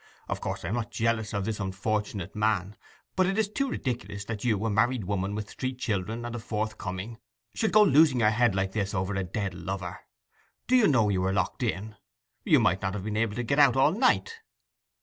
Of course I am not jealous of this unfortunate man; but it is too ridiculous that you, a married woman with three children and a fourth coming, should go losing your head like this over a dead lover! ... Do you know you were locked in? You might not have been able to get out all night.